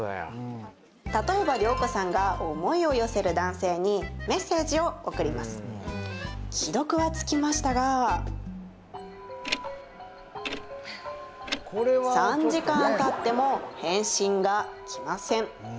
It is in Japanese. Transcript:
例えばリョウコさんが思いを寄せる男性にメッセージを送ります既読はつきましたが３時間たっても返信が来ません